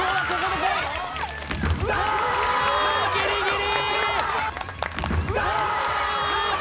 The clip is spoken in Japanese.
ギリギリ！